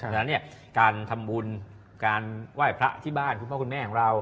ฉะนั้นเนี่ยการทำบุญการไหว้พระที่บ้านคุณพ่อคุณแม่ของเรา